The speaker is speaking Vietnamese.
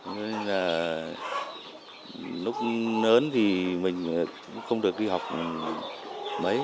nên là lúc lớn thì mình cũng không được đi học mấy